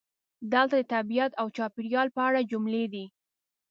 دلته د "طبیعت او چاپیریال" په اړه جملې دي: